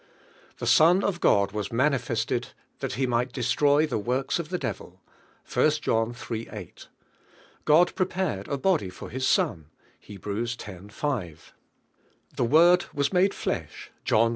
"The Son of God was manifested that He might destroy the works of the devil" (I. John iii. S). God prepared a body for His Son (Heb. x. 5). "The Word was mode flesh" (John i.